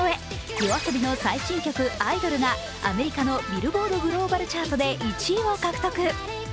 ＹＯＡＳＯＢＩの最新曲「アイドル」がアメリカのビルボード・グローバル・チャートで１位を獲得。